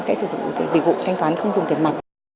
sẽ sử dụng dịch vụ thanh toán không dùng tiền mặt